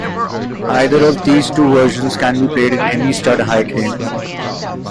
Either of these two versions can be played in any stud high game.